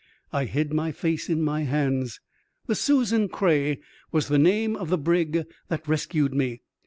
I hid my face in my hands. The Susan Qray was the name of the brig that rescued me.